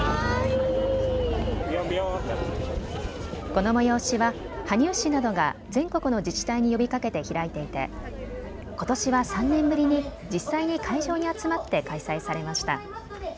この催しは羽生市などが全国の自治体に呼びかけて開いていてことしは３年ぶりに実際に会場に集まって開催されました。